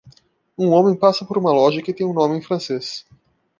Um homem passa por uma loja que tem um nome em francês.